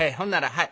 はい。